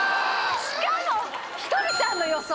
しかもひとりさんの予想